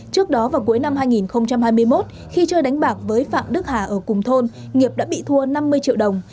trước đó vào cuối năm hai nghìn hai mươi một khi chơi đánh bạc với phạm đức hà ở cùng thôn nghiệp đã bị thua năm mươi triệu đồng